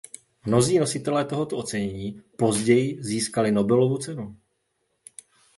Mnozí nositelé tohoto ocenění později získali Nobelovu cenu.